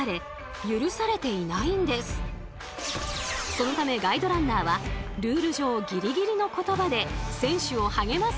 そのためガイドランナーはルール上ギリギリの言葉で選手を励ますそうで。